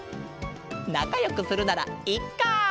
なかよくするならいっか！